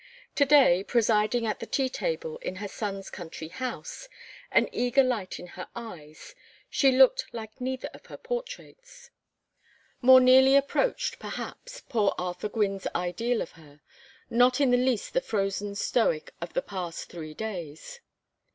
To day, presiding at the tea table in her son's country house, an eager light in her eyes, she looked like neither of her portraits: more nearly approached, perhaps, poor Arthur Gwynne's ideal of her; not in the least the frozen stoic of the past three days.